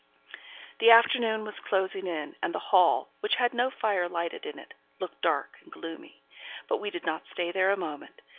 The afternoon was closing in, and the hall, which had no fire lighted in it, looked dark and gloomy, but we did not stay there a moment.